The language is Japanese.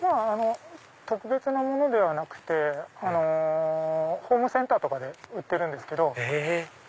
特別なものではなくてホームセンターとかで売ってるんですけど。